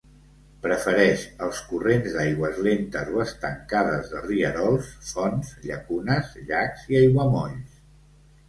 Prefereix els corrents d'aigües lentes o estancades de rierols, fonts, llacunes, llacs i aiguamolls.